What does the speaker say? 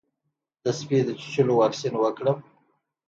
د سپي د چیچلو واکسین وکړم؟